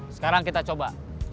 sekarang kita coba